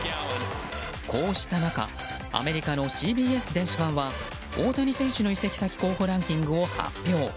こうした中アメリカのＣＢＳ電子版は大谷選手の移籍先候補ランキングを発表。